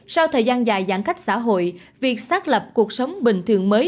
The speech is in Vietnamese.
sau thời gian dài giãn cách xã hội việc xác lập cuộc sống bình thường mới